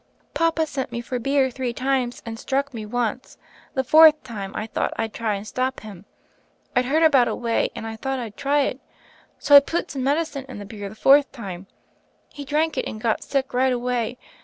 "Papa sent me for beer three times, and struck me once. The fourth time I thought I'd try and stop him. I'd heard about a way, and I thought I'd try it. So I put some medicine in the beer the fourth time. He drank it, and got sick right away.